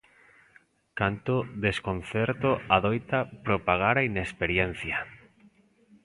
Canto desconcerto adoita propagar a inexperiencia.